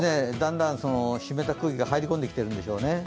だんだん湿った空気が入り込んできているんでしょうね。